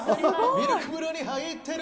ミルク風呂に入ってる。